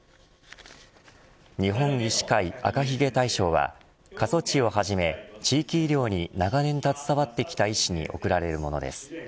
日本医師会、赤ひげ大賞は過疎地をはじめ地域医療に長年携わってきた医師に贈られるものです。